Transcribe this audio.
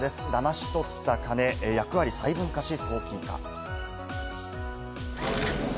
だまし取った金、役割細分化し送金か？